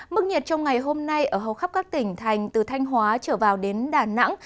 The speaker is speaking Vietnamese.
mức nhiệt trong ngày hôm nay ở hầu khắp các tỉnh thành từ thanh hóa trở vào đến đà nẵng